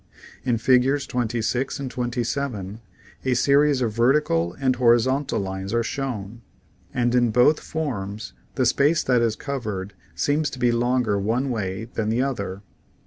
i In Figs. 26 and 27 a series of vertical and horizontal lines are shown, and in both forms the space that is covered seems to be longer one way than the other.